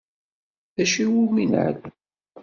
D acu iwumi neεlem?